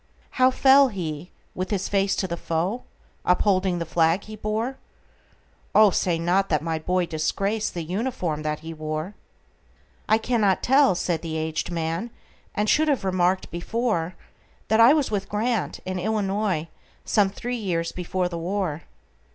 "How fell he,—with his face to the foe, Upholding the flag he bore? Oh, say not that my boy disgracedThe uniform that he wore!""I cannot tell," said the aged man,"And should have remarked before, That I was with Grant,—in Illinois,—Some three years before the war."